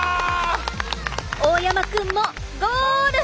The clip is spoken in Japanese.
大山くんもゴール！